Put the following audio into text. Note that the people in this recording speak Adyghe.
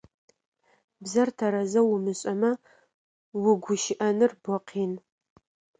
Бзэр тэрэзэу умышӏэмэ угущыӏэныр бо къин.